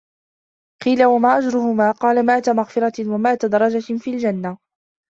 قِيلَ وَمَا أَجْرُهُمَا ؟ قَالَ مِائَةُ مَغْفِرَةٍ وَمِائَةُ دَرَجَةٍ فِي الْجَنَّةِ